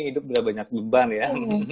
hidup juga banyak beban ya